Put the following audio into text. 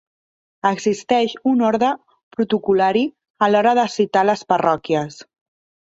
Existeix un ordre protocol·lari a l'hora de citar les parròquies.